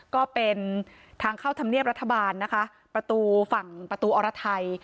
ก็เป็นทางเข้าธรรมเนียบรัฐบาลนะคะประตูฝั่งประตูอรไทย